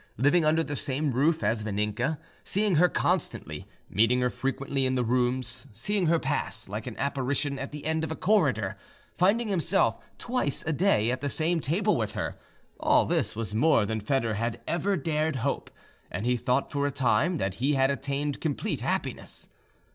Living under the same roof as Vaninka, seeing her constantly, meeting her frequently in the rooms, seeing her pass like an apparition at the end of a corridor, finding himself twice a day at the same table with her, all this was more than Foedor had ever dared hope, and he thought for a time that he had attained complete happiness.